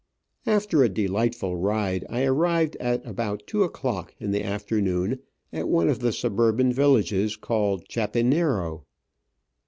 After a delightful ride, I arrived at about two o'clock in the afternoon at one of the suburban villages, called Chapinero.